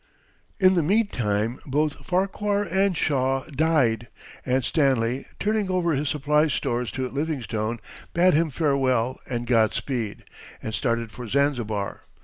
In the meantime both Farquhar and Shaw died, and Stanley, turning over his surplus stores to Livingstone, bade him farewell and Godspeed, and started for Zanzibar.